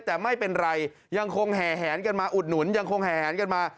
แต่ไม่เป็นไรยังคงแห่แหนกันมาอุดหนุนยังคงแห่แหนกันมา